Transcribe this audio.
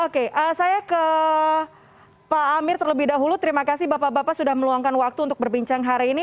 oke saya ke pak amir terlebih dahulu terima kasih bapak bapak sudah meluangkan waktu untuk berbincang hari ini